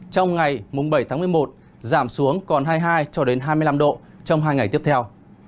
trong ngày bảy tháng một mươi một giảm xuống còn hai mươi hai cho đến hai mươi năm độ trong hai ngày tiếp theo